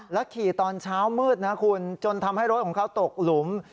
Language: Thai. ขี่ตอนเช้ามืดนะคุณจนทำให้รถของเขาตกหลุม